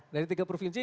dari tiga provinsi